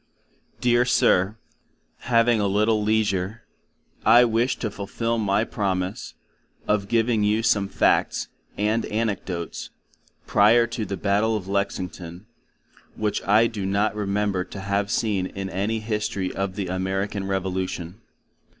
Dear Sir, Having a little leisure, I wish to fullfill my promise, of giving you some facts, and Anecdotes, prior to the Battle of Lexington, which I do not remember to have seen in any history of the American Revolution.